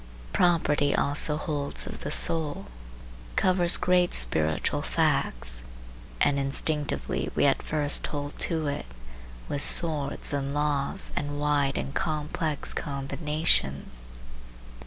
Property also holds of the soul, covers great spiritual facts, and instinctively we at first hold to it with swords and laws and wide and complex combinations.